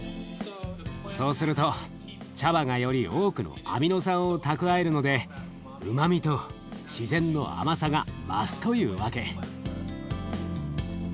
そうすると茶葉がより多くのアミノ酸を蓄えるのでうまみと自然の甘さが増すというわけ。